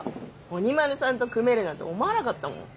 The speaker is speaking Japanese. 鬼丸さんと組めるなんて思わなかったもん。